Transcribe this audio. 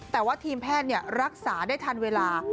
แต่ว่าทีมแพทย์รักษาได้ทันเวลา